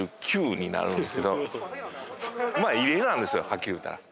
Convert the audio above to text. はっきり言うたら。